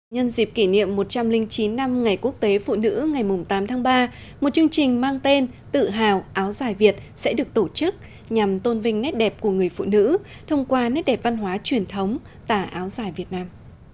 nhân dịp kỷ niệm một trăm linh chín năm ngày quốc tế phụ nữ ngày tám tháng ba một chương trình mang tên tự hào áo dài việt sẽ được tổ chức nhằm tôn vinh nét đẹp của người phụ nữ thông qua nét đẹp văn hóa truyền thống tả áo dài việt nam